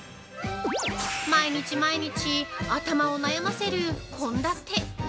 毎日毎日、頭を悩ませる献立。